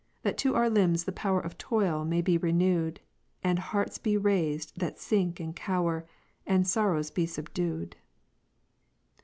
That to our limbs the power Of toil may be renew'd. And hearts be rais'd that sink and cower, And sorrows be subdu'd.